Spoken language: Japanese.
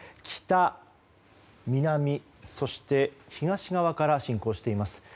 北、南、そして東側から侵攻しています。